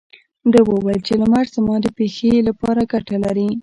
ده وويل چې لمر زما د پښې لپاره ګټه لري.